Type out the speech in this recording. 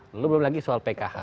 lalu belum lagi soal pkh